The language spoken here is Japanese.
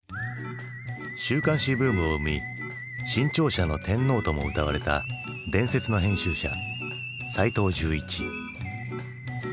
週刊誌ブームを生み新潮社の天皇ともうたわれた伝説の編集者齋藤十一。